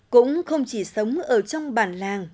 cũng không chỉ sống ở trong bản làng